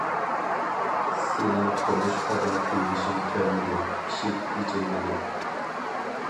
سېنىڭ تونۇش قەدەم تىۋىشىڭ كەلمىدى، ئىشىك ئېچىلمىدى.